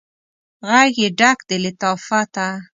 ږغ یې ډک د لطافته